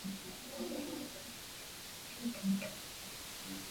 Hifadhi hii pia ina mandhari nzuri ya kuvutia